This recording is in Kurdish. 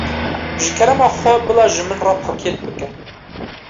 Ji kerema xwe bila ji min re pakêt bike.